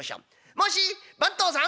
もし番頭さん！